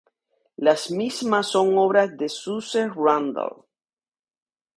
Las mismas son obra de Suze Randall.